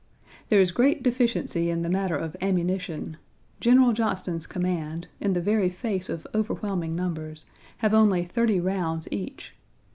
"There is great deficiency in the matter of ammunition. General Johnston's command, in the very face of overwhelming numbers, have only thirty rounds each.